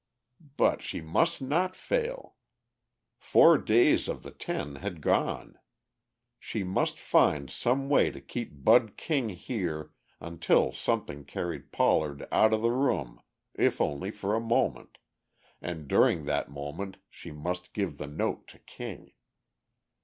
But she must not fail! Four days of the ten had gone. She must find some way to keep Bud King here until something carried Pollard out of the room if only for a moment, and during that moment she must give the note to King.